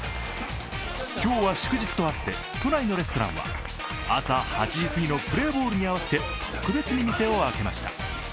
今日は祝日とあって、都内のレストランは朝８時過ぎのプレーボールに合わせて、特別に店を開けました。